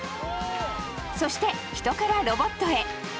そして人からロボットへ。